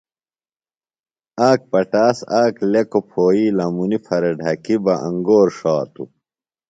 آک پٹاس آک لیکوۡ پھوئی لمُنیۡ پھرےۡ ڈھکیۡ بہ انگور ݜاتوۡ۔